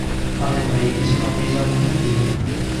Alle pareti sono appese alcune tele.